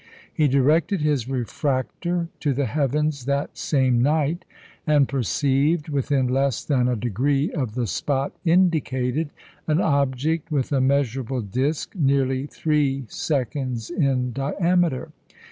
He directed his refractor to the heavens that same night, and perceived, within less than a degree of the spot indicated, an object with a measurable disc nearly three seconds in diameter.